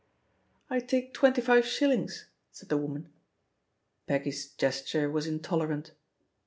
"I'd take twenty five shillings," said the woman. Peggy's gesture was intolerant.